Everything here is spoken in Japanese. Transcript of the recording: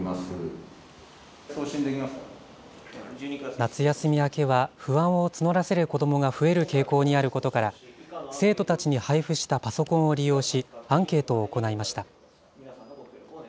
夏休み明けは不安を募らせる子どもが増える傾向にあることから、生徒たちに配布したパソコンを利用し、アンケートを行いました。